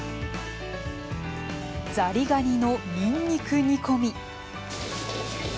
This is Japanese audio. ザリガニのにんにく煮込み。